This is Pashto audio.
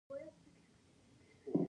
د وجدان لپاره څه شی اړین دی؟